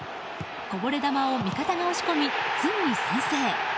こぼれ球を味方が押し込みついに先制。